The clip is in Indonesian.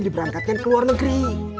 diberangkatkan ke luar negeri